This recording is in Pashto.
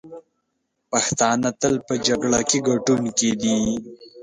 پښتانه تل په جګړه کې ګټونکي دي.